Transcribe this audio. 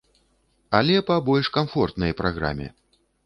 Але па больш камфортнай праграме.